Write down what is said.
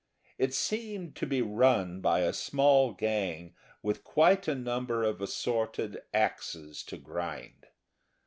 It seemed to be run by a small gang with quite a number of assorted axes to grind.